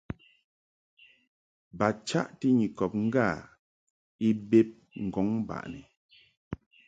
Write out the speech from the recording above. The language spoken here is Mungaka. Ba chaʼti Nyikɔb ŋgâ i bed ŋgɔŋ baʼni.